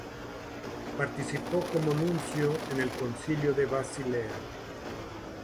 Participó como nuncio en el Concilio de Basilea.